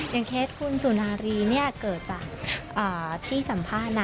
อย่างเคสคุณสูนารีเกิดจากที่สัมภาษณ์